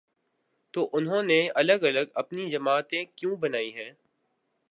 تو انہوں نے الگ الگ اپنی جماعتیں کیوں بنائی ہیں؟